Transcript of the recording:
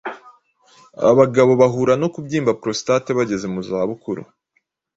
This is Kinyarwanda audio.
Abagabo bahura no kubyimba prostate bageze muza bukuru